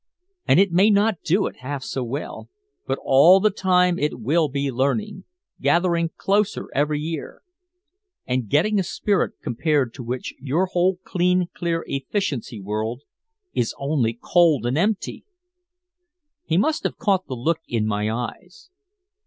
And it may not do it half so well but all the time it will be learning gathering closer every year and getting a spirit compared to which your whole clean clear efficiency world is only cold and empty!" He must have caught the look in my eyes.